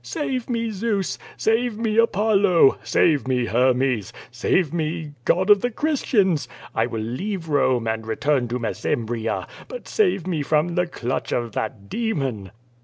"Save me, Zeus! save me Apollo! save me, Hermes! save me^ God of the Christians! I QUO VADIH. 175 will leave Ivome and return to ircsembria, but save me from the clutch of that demon!